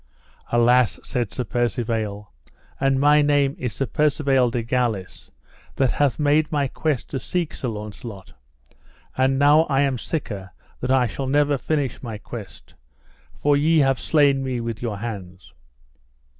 Alas, said Sir Percivale, and my name is Sir Percivale de Galis that hath made my quest to seek Sir Launcelot, and now I am siker that I shall never finish my quest, for ye have slain me with your hands.